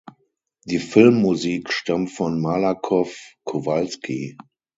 Die Filmmusik stammt von Malakoff Kowalski.